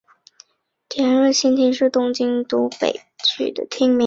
田端新町是东京都北区的町名。